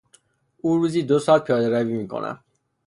او روزی دو ساعت پیادهروی می کند.